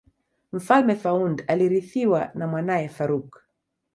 mfalme faund alirithiwa na mwanae farouk